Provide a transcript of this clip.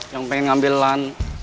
yang pengen ngambil lantai